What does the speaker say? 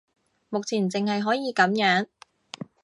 目前淨係可以噉樣